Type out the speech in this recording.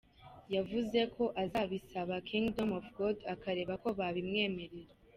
Yavuze ko azabisaba Kingdom of God akareba ko babimwemerera.